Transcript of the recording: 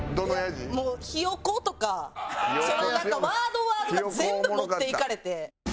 もう「ヒヨコ」とかなんかワードワードが全部持っていかれて。